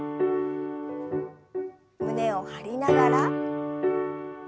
胸を張りながら。